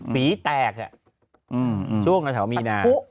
ใฝทักช่วงระเฉามีนา